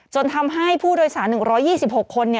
ทำให้ผู้โดยสาร๑๒๖คน